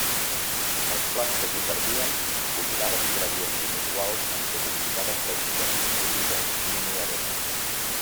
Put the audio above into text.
Els plats que s'hi servien combinaven ingredients inusuals amb sofisticades tècniques científiques i innovadores.